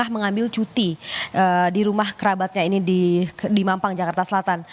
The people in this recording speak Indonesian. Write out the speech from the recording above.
mengambil cuti di rumah kerabatnya ini di mampang jakarta selatan